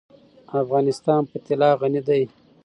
افغانستان په طلا غني دی.